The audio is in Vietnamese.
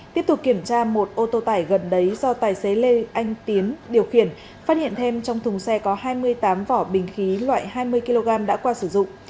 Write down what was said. tiếp tục kiểm tra một ô tô tải gần đấy do tài xế lê anh tiến điều khiển phát hiện thêm trong thùng xe có hai mươi tám vỏ bình khí loại hai mươi kg đã qua sử dụng